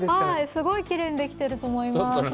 すごい、きれいにできてると思います。